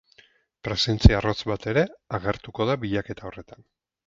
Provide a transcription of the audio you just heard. Presentzia arrotz bat ere agertuko da bilaketa horretan.